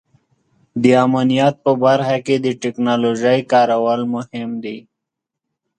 د امنیت په برخه کې د ټیکنالوژۍ کارول مهم دي.